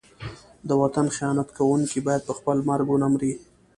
د وطن خیانت کوونکی باید په خپل مرګ ونه مري.